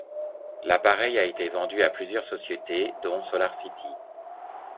L'appareil a été vendu à plusieurs sociétés, dont SolarCity.